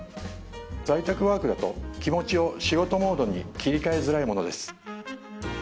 在宅ワークだと気持ちを仕事モードに切り替えづらいものです